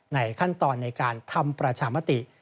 ในขั้นตอนในการทำประชามติ